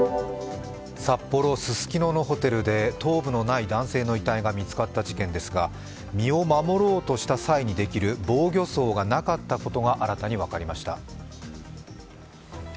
札幌・ススキノのホテルで頭部のない男性の遺体が見つかった事件ですが、身を守ろうとした際にできる防御創がなかったことが新たに分かりました。